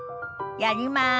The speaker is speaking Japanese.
やります。